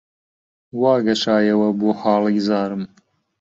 وا گەشایەوە بۆ حاڵی زارم